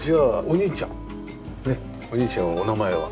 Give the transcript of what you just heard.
お兄ちゃんお名前は？